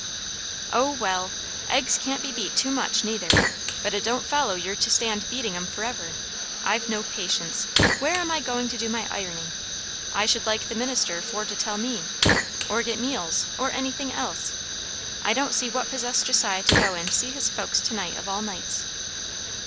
"O well! Eggs can't be beat too much, neither; but it don't follow you're to stand beating 'em for ever. I've no patience. Where am I going to do my ironing? I should like the minister for to tell me; or get meals, or anything else? I don't see what possessed Josiah to go and see his folks to night of all nights."